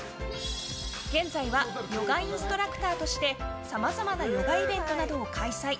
現在はヨガインストラクターとしてさまざまなヨガイベントなどを開催。